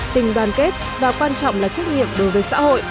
tình đoàn kết và quan trọng là trách nhiệm đối với xã hội